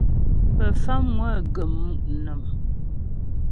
Pə Famŋwə gəm mu' nɔ̀m.